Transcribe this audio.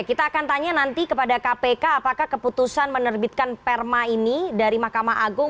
kita akan tanya nanti kepada kpk apakah keputusan menerbitkan perma ini dari mahkamah agung